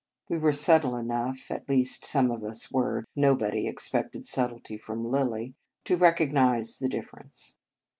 We were subtle enough at least some of us were; nobody ex pected subtlety from Lilly to recog nize the difference.